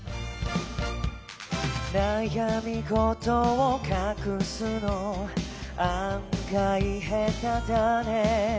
「悩み事をかくすの案外、下手だね」